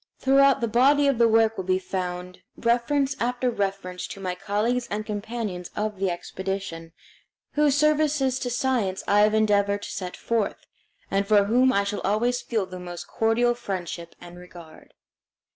Throughout the body of the work will be found reference after reference to my colleagues and companions of the expedition, whose services to science I have endeavored to set forth, and for whom I shall always feel the most cordial friendship and regard.